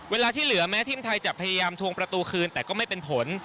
เวลาที่เหลือแม้ทีมไทยจะพยายามทวงประตูคืนแต่ก็ไม่เป็นผล